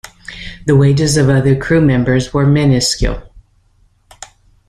The wages of other crew members were minuscule.